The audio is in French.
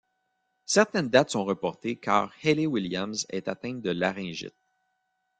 Certains dates sont reportées car Hayley Williams est atteinte de laryngite.